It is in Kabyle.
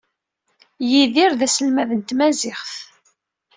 Yidir d aselmad n tmaziɣt.